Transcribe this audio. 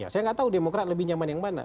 saya nggak tahu demokrat lebih nyaman yang mana